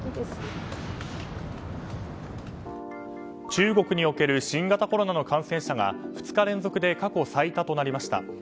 中国における新型コロナの感染者が２日連続で過去最多となりました。